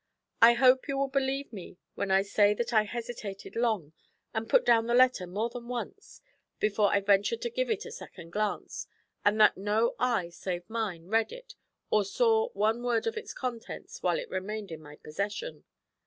I hope you will believe me when I say that I hesitated long, and put down the letter more than once, before I ventured to give it a second glance, and that no eye save mine read or saw one word of its contents while it remained in my possession.